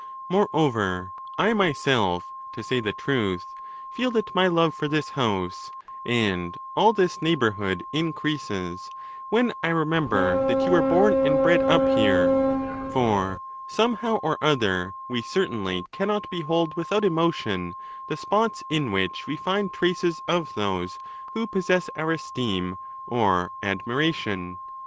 More over, I myself, to say the truth, feel that my love for this house and all this neighbourhood increases, when I remember that you were born and bred up here ; for, somehow or other, we certainly cannot behold without emotion the spots in which we find traces of those who possess our esteem or admiration.